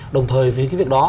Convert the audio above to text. đồng thời với cái việc đó